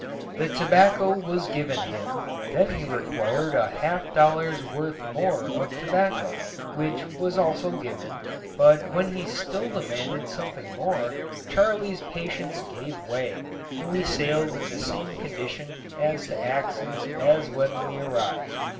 The tobacco was given him, then he required a half dollar's worth more of tobacco, which was also given; but when he still demanded something more, Charley's patience gave way and we sailed in the same condition as to axes as when we arrived.